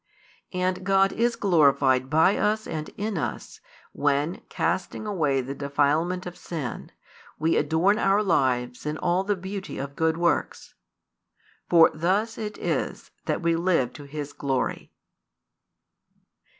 And God is glorified by us and in us, when, casting away the defilement of sin, we adorn our lives in all the beauty of good works. For thus it is that we live to His glory.